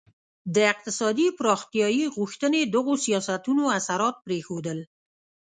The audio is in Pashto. د اقتصادي پراختیايي غوښتنې دغو سیاستونو اثرات پرېښودل.